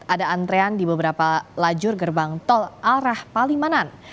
ada antrean di beberapa lajur gerbang tol arah palimanan